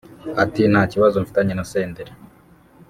Ati Nta kibazo mfitanye naSenderi